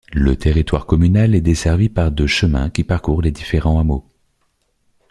Le territoire communal est desservi par de chemins qui parcourent les différents hameaux.